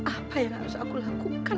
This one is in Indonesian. apa yang harus aku lakukan